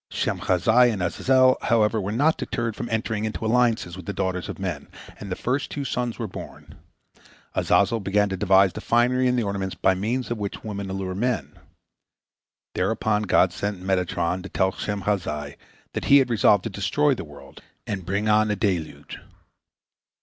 Shemhazai and Azazel, however, were not deterred from entering into alliances with the daughters of men, and to the first two sons were born. Azazel began to devise the finery and the ornaments by means of which women allure men. Thereupon God sent Metatron to tell Shemhazai that He had resolved to destroy the world and bring on a deluge.